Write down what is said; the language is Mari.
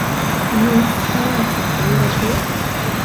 — Ну, каласе, йӧратет?